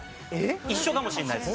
一緒かもしれないです。